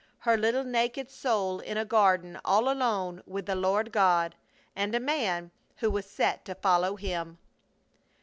Her little naked soul in a garden all alone with the Lord God, and a man who was set to follow Him!